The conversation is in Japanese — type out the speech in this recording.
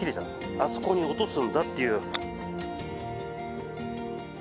あそこに落とすんだっていう。